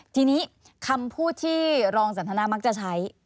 ทีนี้คำพูดที่รองสันทนามักจะใช้